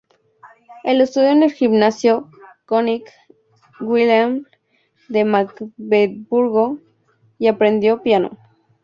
Él estudió en el gimnasio König-Wilhelm de Magdeburgo y aprendió piano.